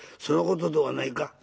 そのことではないか？」。